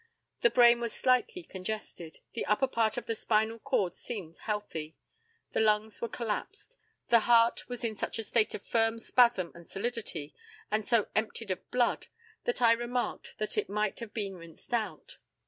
The brain was slightly congested, the upper part of the spinal cord seemed healthy, the lungs were collapsed, the heart was in such a state of firm spasm and solidity, and so emptied of blood, that I remarked that it might have been rinsed out.